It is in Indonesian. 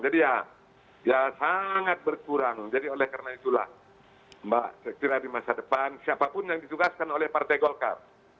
jadi ya sangat berkurang jadi oleh karena itulah mbak saya kira di masa depan siapapun yang ditugaskan oleh partai golkar